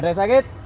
ada yang sakit